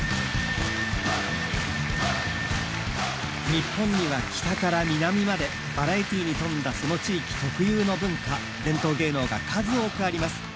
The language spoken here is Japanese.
日本には北から南までバラエティーに富んだその地域特有の文化伝統芸能が数多くあります。